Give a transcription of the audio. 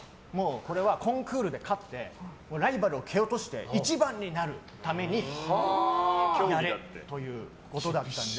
これはコンクールで勝ってライバルを蹴落として１番になるためだということだったので。